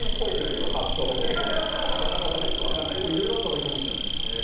いろいろあった方がいいと思うんですよね。